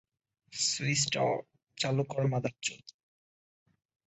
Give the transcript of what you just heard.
সুইচটা চালু কর, মাদারচোদ।